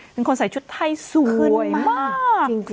เป็นคนใส่ชุดไทยสวยมาก